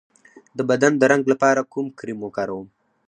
د بدن د رنګ لپاره کوم کریم وکاروم؟